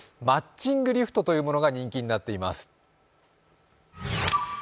マッチングリフトというものが人気になっています。